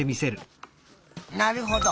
なるほど。